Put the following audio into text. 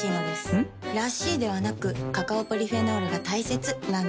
ん？らしいではなくカカオポリフェノールが大切なんです。